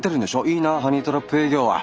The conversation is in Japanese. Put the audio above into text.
いいなあハニートラップ営業は。